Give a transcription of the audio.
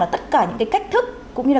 tất cả những cái cách thức cũng như là